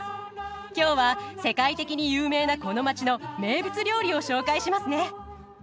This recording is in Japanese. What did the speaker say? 今日は世界的に有名なこの街の名物料理を紹介しますね。